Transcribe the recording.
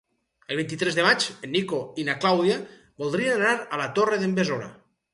El vint-i-tres de maig en Nico i na Clàudia voldrien anar a la Torre d'en Besora.